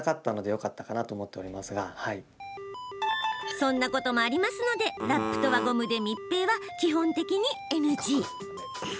そんなこともあるのでラップと輪ゴムで密閉は基本的にＮＧ。